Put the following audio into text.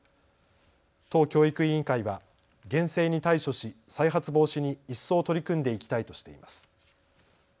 都教育委員会は厳正に対処し再発防止に一層取り組んでいきたいとしています。